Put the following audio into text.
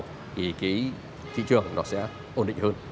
thì cái thị trường nó sẽ ổn định hơn